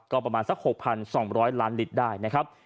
ก็ประมาณสัก๖๒๐๐ล้านลิตรได้นะครับ